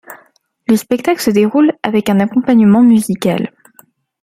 Le spectacle se déroule avec un accompagnement musical.